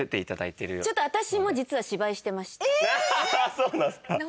そうなんですか？